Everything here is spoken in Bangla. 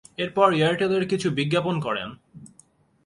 এরপর এয়ারটেল এর কিছু বিজ্ঞাপন করেন।